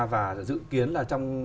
và dự kiến là trong